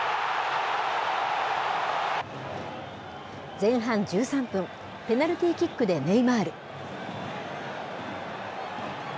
前半１３分、ペナルティーキックでネイマール。